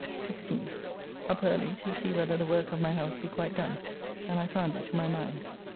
16th. Up early to see whether the work of my house be quite done, and I found it to my mind.